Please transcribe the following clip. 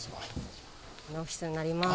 ここがオフィスになります